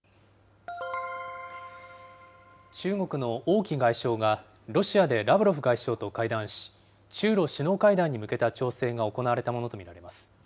中国の王毅外相が、ロシアでラブロフ外相と会談し、中ロ首脳会談に向けた調整が行われたものと見られます。